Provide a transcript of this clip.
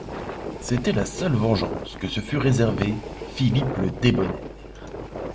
C'était la seule vengeance que se fût réservée Philippe le Débonnaire.